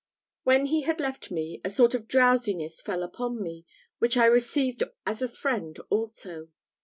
When he had left me, a sort of drowsiness fell upon me, which I received as a friend also.